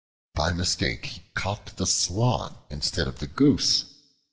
By mistake he caught the Swan instead of the Goose.